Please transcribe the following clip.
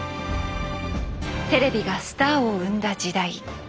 テレビがスターを生んだ時代。